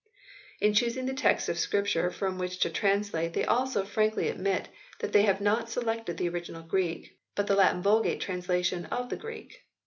In choosing the text of Scripture from which to translate they also frankly admit that they have not selected the original Greek, but the Latin Vulgate translation of the Greek.